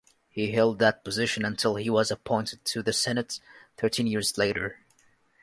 He held that position until he was appointed to the Senate thirteen years later.